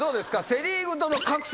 セ・リーグとの格差